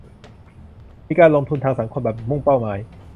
มีการลงทุนทางสังคมแบบมุ่งเป้าหมาย